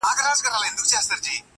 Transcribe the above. چا پوښتنه ورنه وكړله نادانه!!